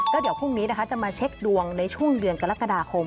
เดี๋ยวพรุ่งนี้นะคะจะมาเช็คดวงในช่วงเดือนกรกฎาคม